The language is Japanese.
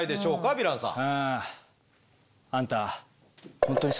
ヴィランさん。